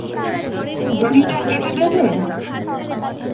দড়িটা কেটে দেবে।